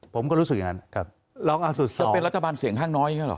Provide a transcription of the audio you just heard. ผมก็รู้สึกอย่างนั้นครับจะเป็นรัฐบาลเสียงข้างน้อยใช่หรอ